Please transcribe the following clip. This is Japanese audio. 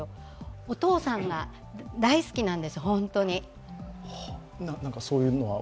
お父さんが大好きなんですホントに。